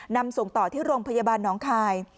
นำส่งต่อที่โรงพยาบาลน้องคาย